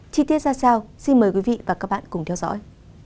chi tiết ra sao xin mời quý vị và các bạn cùng theo dõi